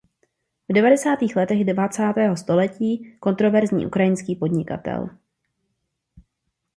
V devadesátých letech dvacátého století kontroverzní ukrajinský podnikatel.